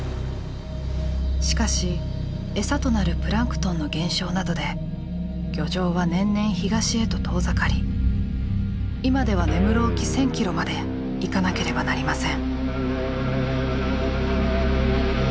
しかしエサとなるプランクトンの減少などで漁場は年々東へと遠ざかり今では根室沖１，０００ｋｍまで行かなければなりません。